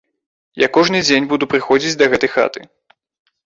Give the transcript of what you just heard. Я кожны дзень буду падыходзіць да гэтай хаты.